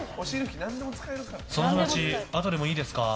その話、あとでもいいですか？